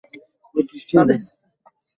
তারা জেমস কস্তার সন্তান।